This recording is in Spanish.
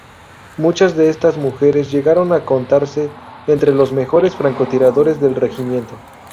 Muchas de estas mujeres llegaron a contarse entre los mejores francotiradores del regimiento.